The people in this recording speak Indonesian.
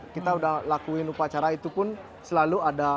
kita sudah lakukan upacara itu pun selalu ada